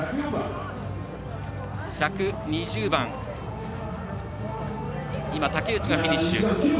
１２０番、竹内がフィニッシュ。